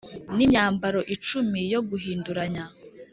n imyambaro icumi yo guhinduranya